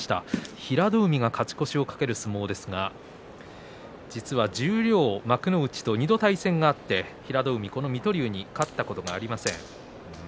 平戸海は勝ち越しを懸ける相撲ですが、実は十両、幕内と２度対戦があって平戸海は、この水戸龍に勝ったことがありません。